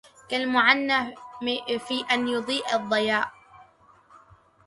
كالمُعَنَّى في أن يُضيء الضياءَ